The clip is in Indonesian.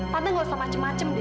tante nggak usah macem macem deh